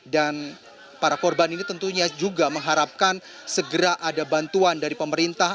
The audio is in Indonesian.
dan para korban ini tentunya juga mengharapkan segera ada bantuan dari pemerintah